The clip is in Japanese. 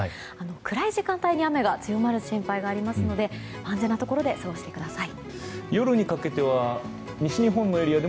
暗い時間帯に雨が強まる心配があるので安全なところで過ごしてください。